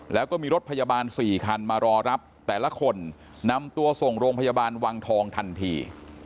แล้วก็มีรถพยาบาล๔คันมารอรับแต่ละคนนำตัวส่งโรงพยาบาลวังทองทันที